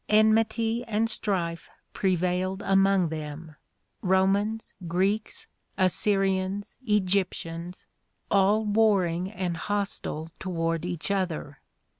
Enmity and strife prevailed among them, — Romans, Greeks, Assyrians, Egyp tians, — all warring and hostile toward each other.